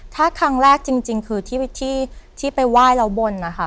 ถ้าครั้งแรกจริงคือที่วิธีที่ไปไหว้เราบ่นนะคะ